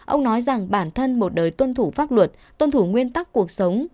ông nói rằng bản thân một đời tuân thủ pháp luật tuân thủ nguyên tắc cuộc sống